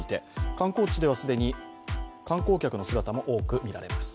観光地では、既に観光客の姿も多く見られます。